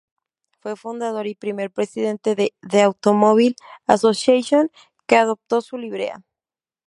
Fue fundador y primer presidente de "The Automobile Association" que adoptó su librea.